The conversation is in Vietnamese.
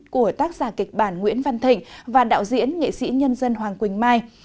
của tác giả kịch bản nguyễn văn thịnh và đạo diễn nghệ sĩ nhân dân hoàng quỳnh mai